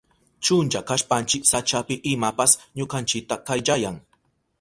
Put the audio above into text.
Chunlla kashpanchi sachapi imapas ñukanchita kayllayan.